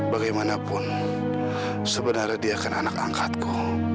bagaimanapun sebenarnya dia kan anak angkatku